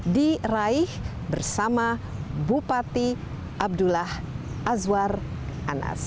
diraih bersama bupati abdullah azwar anas